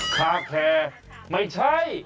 คาแคร์ไม่ใช่